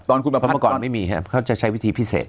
ตอนคุณประพันธ์เมื่อก่อนไม่มีฮะเขาจะใช้วิธีพิเศษ